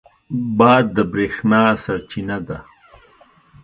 باد د برېښنا سرچینه ده.